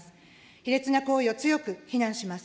卑劣な行為を強く非難します。